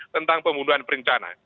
tentang pembunuhan berencana